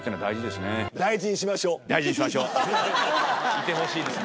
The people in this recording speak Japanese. いてほしいですね。